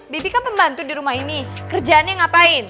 bibi kan pembantu di rumah ini kerjaannya ngapain